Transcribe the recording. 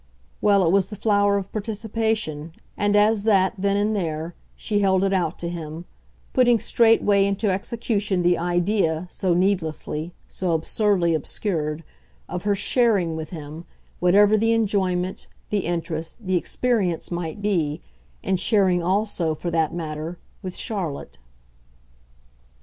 Well, it was the flower of participation, and as that, then and there, she held it out to him, putting straightway into execution the idea, so needlessly, so absurdly obscured, of her SHARING with him, whatever the enjoyment, the interest, the experience might be and sharing also, for that matter, with Charlotte.